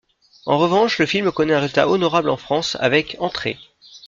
En revanche, le film connaît un résultat honorable en France avec entrées.